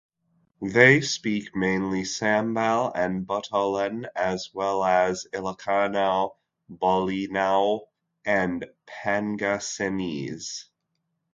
They speak mainly Sambal and Botolan, as well as Ilocano, Bolinao and Pangasinense.